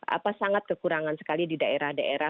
apa sangat kekurangan sekali di daerah daerah